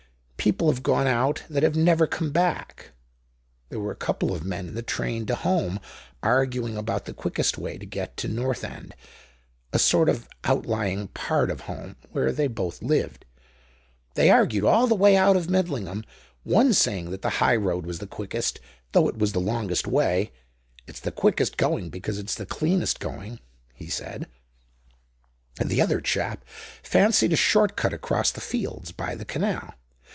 People have gone out that have never come back. There were a couple of men in the train to Holme, arguing about the quickest way to get to Northend, a sort of outlying part of Holme where they both lived. They argued all the way out of Midlingham, one saying that the high road was the quickest though it was the longest way. 'It's the quickest going because it's the cleanest going,' he said." "The other chap fancied a short cut across the fields, by the canal.